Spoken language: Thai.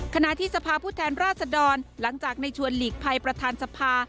ขณะที่สภาพผู้แทนราชดรหลังจากในชวนหลีกภัยประธานสภา